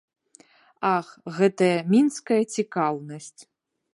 Ах, гэтая мінская цікаўнасць!